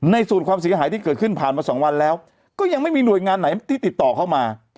สูตรความเสียหายที่เกิดขึ้นผ่านมา๒วันแล้วก็ยังไม่มีหน่วยงานไหนที่ติดต่อเข้ามา